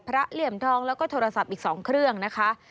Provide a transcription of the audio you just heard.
เหลี่ยมทองแล้วก็โทรศัพท์อีก๒เครื่องนะคะ